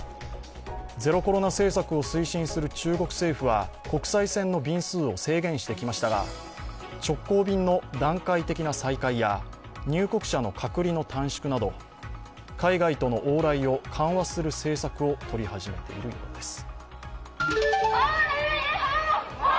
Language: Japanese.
ゼロコロナ政策を推進する中国政府は、国際線の便数を制限してきましたが、直行便の段階的な再開や入国者の隔離の短縮など海外との往来を緩和する政策を取り始めているようです。